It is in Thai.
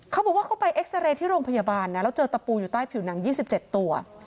เขาบอกว่าเขาไปเอ็กซาเรย์ที่โรงพยาบาลนะแล้วเจอตะปูอยู่ใต้ผิวหนัง๒๗ตัว